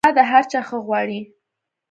انا د هر چا ښه غواړي